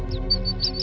jangan tolong jangan